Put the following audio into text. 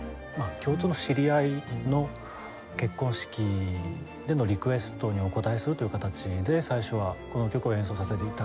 共通の知り合いの結婚式でのリクエストにお応えするという形で最初はこの曲を演奏させて頂いたんですけども。